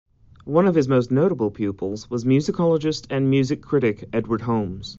One of his most notable pupils was musicologist and music critic Edward Holmes.